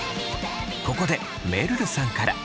ここでめるるさんから。